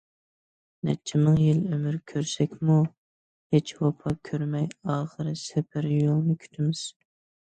نەچچە مىڭ يىل ئۆمۈر كۆرسەكمۇ، ھېچ ۋاپا كۆرمەي ئاخىر سەپەر يولىنى كۈتىمىز.